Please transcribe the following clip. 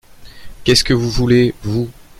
Qu’est-ce que vous voulez… vous ?